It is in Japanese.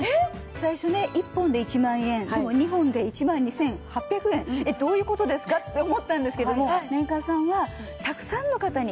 最初ね１本で１万円でも２本で１万２８００円えっどういう事ですか？って思ったんですけどもメーカーさんはたくさんの方にはいて頂きたい。